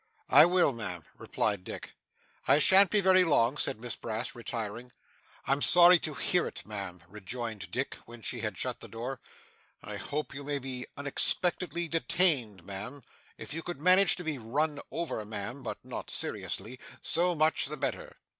'I will, ma'am,' replied Dick. 'I shan't be very long,' said Miss Brass, retiring. 'I'm sorry to hear it, ma'am,' rejoined Dick when she had shut the door. 'I hope you may be unexpectedly detained, ma'am. If you could manage to be run over, ma'am, but not seriously, so much the better.